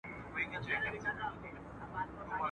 o پردى مال نه خپلېږي.